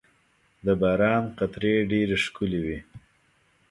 • د باران قطرې ډېرې ښکلي وي.